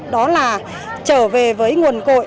đó là trở về với nguồn cội